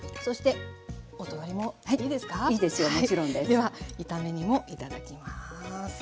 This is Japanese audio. では炒め煮もいただきます。